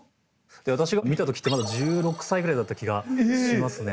私が見た時ってまだ１６歳ぐらいだった気がしますね。